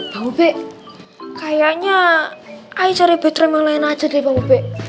bang ube kayaknya ayo cari bedroom yang lain aja deh bang ube